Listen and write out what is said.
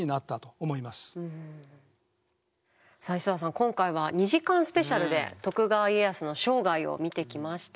今回は２時間スペシャルで徳川家康の生涯を見てきました。